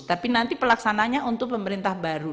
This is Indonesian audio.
tapi nanti pelaksananya untuk pemerintah baru